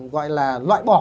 gọi là loại bỏ